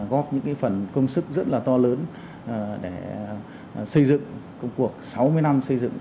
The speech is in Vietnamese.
góp những phần công sức rất là to lớn để xây dựng công cuộc sáu mươi năm xây dựng